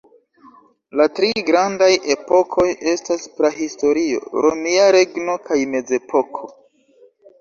La tri grandaj epokoj estas Prahistorio, Romia Regno kaj Mezepoko.